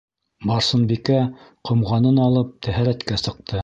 Барсынбикә ҡомғанын алып тәһәрәткә сыҡты.